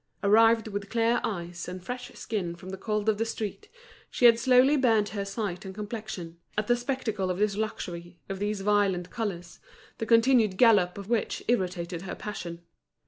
Arrived with clear eyes and fresh skin from the cold of the street, she had slowly burnt her sight and complexion, at the spectacle of this luxury, of these violent colours, the continued gallop of which irritated her passion.